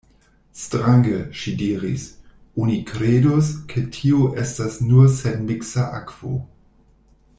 Strange, ŝi diris: oni kredus, ke tio estas nur senmiksa akvo.